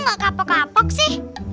kamu kok tidak kapok kapok sih